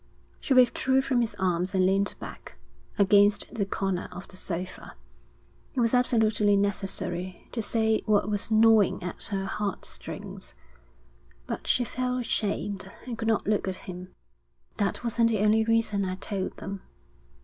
She withdrew from his arms and leaned back, against the corner of the sofa. It was absolutely necessary to say what was gnawing at her heart strings, but she felt ashamed and could not look at him. 'That wasn't the only reason I told them.